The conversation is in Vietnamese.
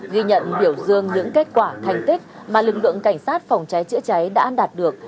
ghi nhận biểu dương những kết quả thành tích mà lực lượng cảnh sát phòng cháy chữa cháy đã đạt được